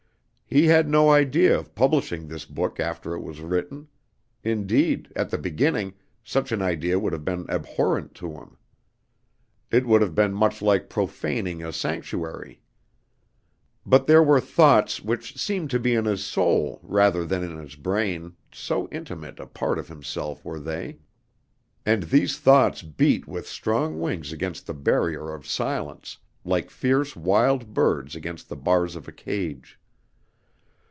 He had no idea of publishing this book after it was written. Indeed, at the beginning, such an idea would have been abhorrent to him. It would have been much like profaning a sanctuary. But there were thoughts which seemed to be in his soul, rather than in his brain, so intimate a part of himself were they; and these thoughts beat with strong wings against the barrier of silence, like fierce wild birds against the bars of a cage.